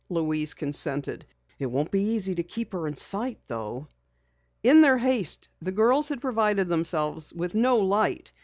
Louise consented. "It won't be easy to keep her in sight though." In their haste the girls had provided themselves with no light.